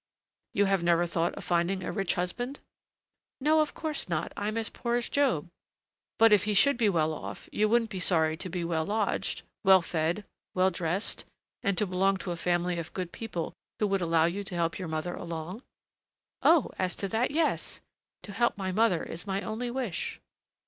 "You have never thought of finding a rich husband?" "No, of course not, as I am poor as Job." "But if he should be well off, you wouldn't be sorry to be well lodged, well fed, well dressed, and to belong to a family of good people who would allow you to help your mother along?" "Oh! as to that, yes! to help my mother is my only wish."